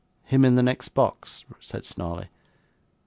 'Him in the next box?' said Snawley.